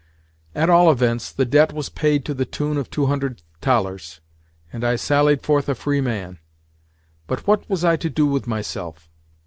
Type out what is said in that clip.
At all events, the debt was paid to the tune of two hundred thalers, and I sallied forth a free man. But what was I to do with myself?